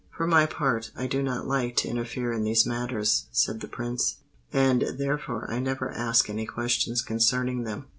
"For my part, I do not like to interfere in these matters," said the Prince; "and therefore I never ask any questions concerning them."